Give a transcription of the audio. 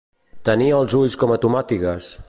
Tenir els ulls com a tomàtigues.